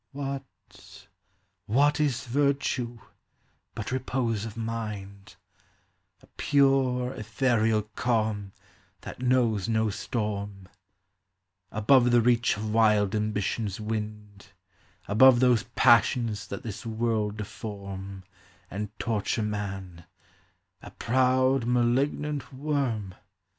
" What, what is virtue, but repose of mind, A pure ethereal calm, that knows no storm ; Above the reach of wild ambition's wind, Above those passions that this world deform, And torture man, a proud malignant worm